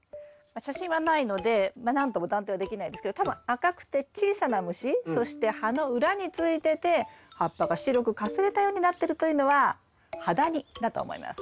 写真はないので何とも断定はできないですけど多分赤くて小さな虫そして葉の裏についてて葉っぱが白くかすれたようになってるというのはハダニだと思います。